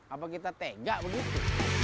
apa kita tega begitu